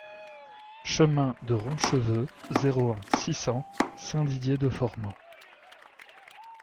Chemin de Roncheveux, zéro un, six cents Saint-Didier-de-Formans